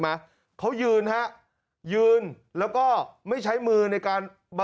แพศเท่าไหร่ไม่ใช่งานกด